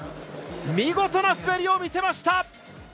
見事な滑りを見せました！